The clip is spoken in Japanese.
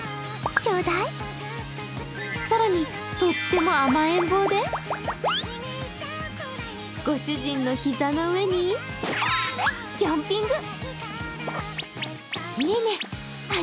更にとっても甘えん坊で、ご主人の膝の上にジャンピング。